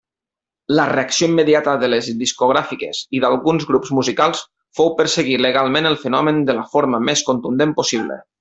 La reacció immediata de les discogràfiques i d'alguns grups musicals fou perseguir legalment el fenomen de la forma més contundent possible.